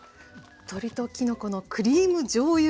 鶏ときのこのクリームじょうゆ煮